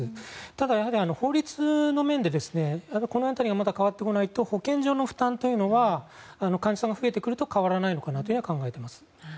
ただ、法律の面でこの辺りがまた変わってこないと保健所の負担というのは患者さんが増えてくると変わらないのかなと考えます。